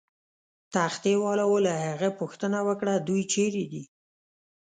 تختې والاو له هغه پوښتنه وکړه: دوی چیرې دي؟